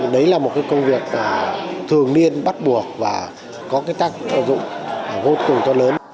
đấy là một công việc thường niên bắt buộc và có cái tác dụng vô cùng to lớn